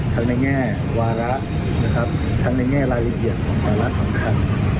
ทั้งในแง่วาระทั้งในแง่รายละเอียดของสารสำคัญ